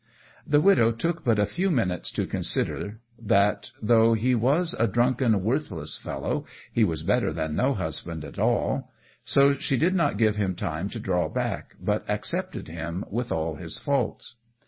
The widow took but a few minutes to consider, that, though he was a drunken, worthless fellow, he was better than no husband at all; so she did not give him time to draw back, but accepted him with all his faults.